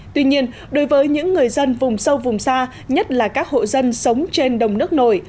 tuy nhiên đối với những người dân vùng sâu vùng xa nhất là các hộ dân sống trên đồng nước nổi